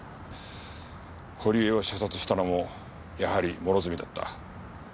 堀江を射殺したのもやはり諸角だった。